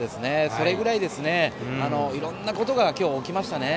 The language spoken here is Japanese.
それぐらい、いろんなことが今日、起きましたね。